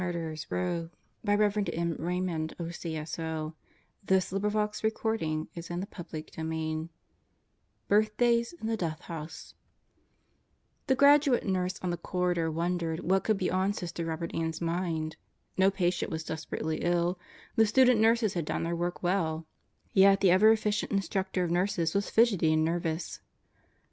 Father George shifted on his side. "Oh, God," he prayed, "let nothing go wrong 1" CHAPTER SIX Birthdays in the Deathhouse THE graduate nurse on the corridor wondered what could be on Sister Robert Ann's mind. No patient was desperately ill, the student nurses had done their work well; yet, the ever efficient Instructor of Nurses was fidgety and nervous.